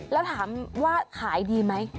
แล้วถามว่าขายดีไหม